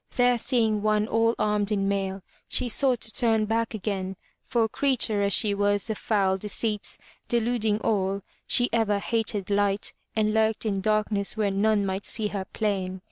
There seeing one all armed in mail, she sought to turn back again, for creature, as she was, of foul deceits, deluding all, she ever hated light and lurked in darkness where none might see her plain.